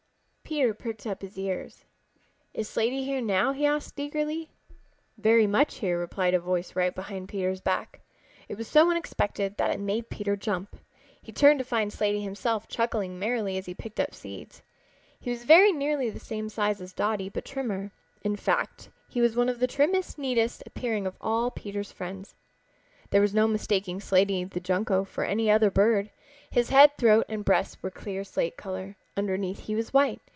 Peter pricked up his ears. "Is Slaty here now?" he asked eagerly. "Very much here," replied a voice right behind Peter's back. It was so unexpected that it made Peter jump. He turned to find Slaty himself chuckling merrily as he picked up seeds. He was very nearly the same size as Dotty but trimmer. In fact he was one of the trimmest, neatest appearing of all of Peter's friends. There was no mistaking Slaty the Junco for any other bird. His head, throat and breast were clear slate color. Underneath he was white.